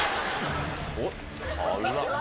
おっ。